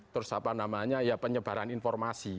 terus apa namanya ya penyebaran informasi